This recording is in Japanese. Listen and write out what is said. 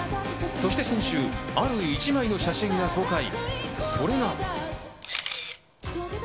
そして先週、ある一枚の写真が公開、それが。